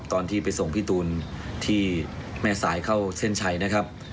ตอนที่ไปส่งพี่ตูนที่แม่สายเข้าเส้นชัยนะครับ